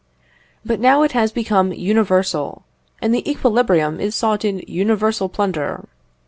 But now it has become universal, and the equilibrium is sought in universal plunder.